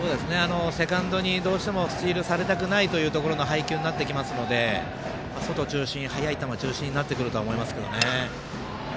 セカンドにどうしてもスチールされたくないという配球になってきますので外中心、速い球中心になってくると思います。